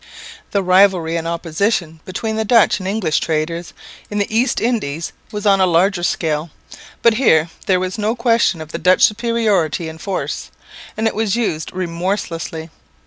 The rivalry and opposition between the Dutch and English traders in the East Indies was on a larger scale, but here there was no question of the Dutch superiority in force, and it was used remorselessly.